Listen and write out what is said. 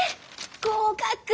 合格！